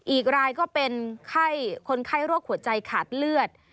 อีกรายก็เป็นคนไข้โรคหัวใจขาดเลือด